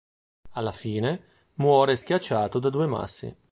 Alla fine, muore schiacciato da due massi.